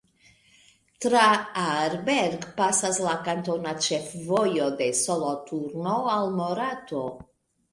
Tra Aarberg pasas la kantona ĉefvojo de Soloturno al Morato.